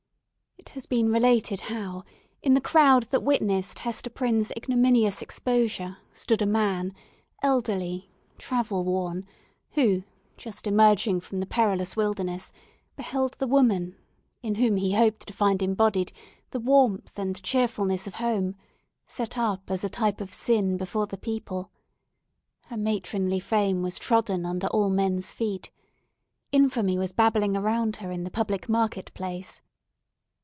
It has been related, how, in the crowd that witnessed Hester Prynne's ignominious exposure, stood a man, elderly, travel worn, who, just emerging from the perilous wilderness, beheld the woman, in whom he hoped to find embodied the warmth and cheerfulness of home, set up as a type of sin before the people. Her matronly fame was trodden under all men's feet. Infamy was babbling around her in the public market place.